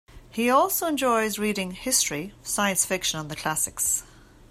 He also enjoys reading history, science fiction and the classics.